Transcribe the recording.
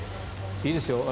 いいですよ。